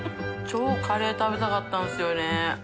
超カレー食べたかったんですよね。